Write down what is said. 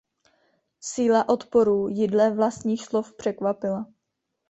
Síla odporu ji dle vlastních slov překvapila.